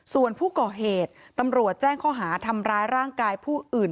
ส่วนผู้ก่อเหตุตำรวจแจ้งข้อหาทำร้ายร่างกายผู้อื่น